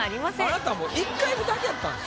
あなた１回目だけやったんです。